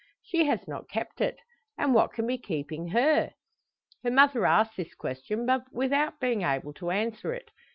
She has not kept it! And what can be keeping her? Her mother asks this question, but without being able to answer it.